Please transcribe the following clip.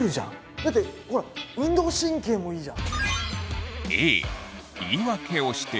だってほら運動神経もいいじゃん！